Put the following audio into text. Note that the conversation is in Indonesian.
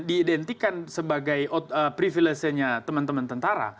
diidentikan sebagai privilesenya teman teman tentara